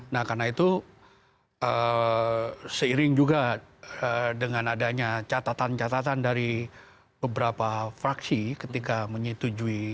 nah karena itu seiring juga dengan adanya catatan catatan dari beberapa fraksi ketika menyetujui